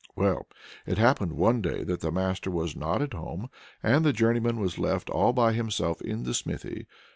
Well, it happened one day that the master was not at home, and the journeyman was left all by himself in the smithy.